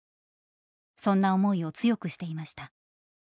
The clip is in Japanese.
そんな思いを強くしていました。